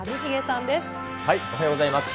おはようございます。